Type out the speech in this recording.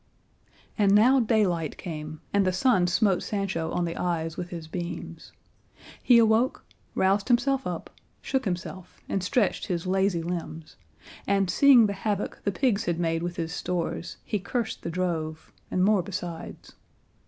And now daylight came, and the sun smote Sancho on the eyes with his beams. He awoke, roused himself up, shook himself and stretched his lazy limbs, and seeing the havoc the pigs had made with his stores he cursed the drove, and more besides.